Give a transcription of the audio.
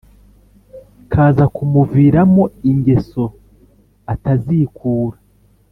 kaza kumuviramo ingeso atazikura!